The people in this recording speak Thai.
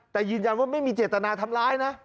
แต่ยืนยันว่าไม่มีเจตนาทำร้ายนะ